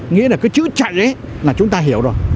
nghĩa là cứ chữ chạy ấy là chúng ta hiểu rồi